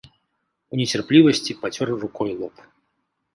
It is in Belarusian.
У нецярплівасці пацёр рукой лоб.